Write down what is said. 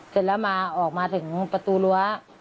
เสร็จแล้วมาออกมาถึงประตูรั้ว